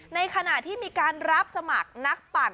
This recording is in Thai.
ในขณะที่มีการรับสมัครนักปั่น